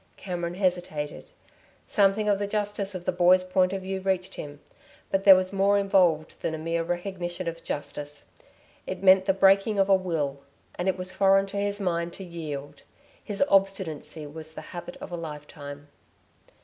Cameron hesitated. Something of the justice of the boy's point of view reached him. But there was more involved than a mere recognition of justice. It meant the breaking of a will. And it was foreign to his mind to yield; his obstinacy was the habit of a lifetime.